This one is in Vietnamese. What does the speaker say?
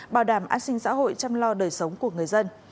bảo đảm an sinh xã hội chăm lo đời sống của người dân